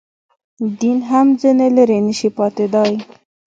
دین هم ځنې لرې نه شي پاتېدای.